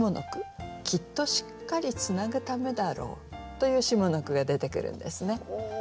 「きっとしっかりつなぐためだろう」という下の句が出てくるんですね。